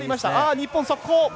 日本、速攻。